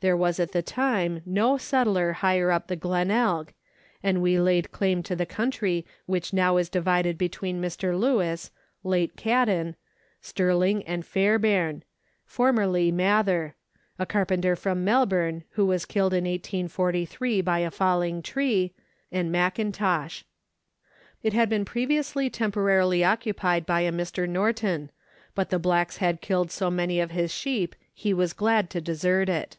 There was at the time no settler higher up the Glenelg, and we laid claim to the country which now is divided between Mr. Lewis (late Cadden), Stirling And Fairbairn formerly Mather (a carpenter from Melbourne, who was killed in 1843 by a falling tree), and Mackintosh. It had been previously temporarily occupied by a Mr. Norton, but the blacks had killed so many of his sheep, he was glad to desert it.